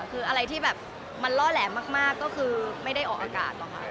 คืออะไรที่แบบมันล่อแหลมมากก็คือไม่ได้ออกอากาศหรอกค่ะ